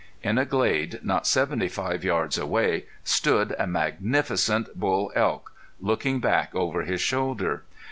In a glade not seventy five yards away stood a magnificent bull elk, looking back over his shoulder.